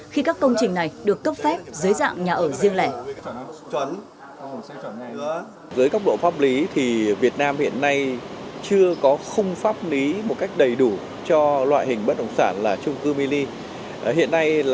khi các công trình này được cấp phép dưới dạng nhà ở riêng lẻ